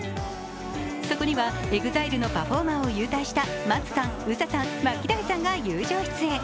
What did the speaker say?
そこにはＥＸＩＬＥのパフォーマーを勇退したＭＡＴＳＵさん、ＵＳＡさん、ＭＡＫＩＤＡＩさんが友情出演。